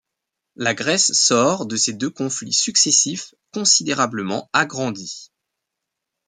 La Grèce sort de ces deux conflits successifs considérablement agrandie.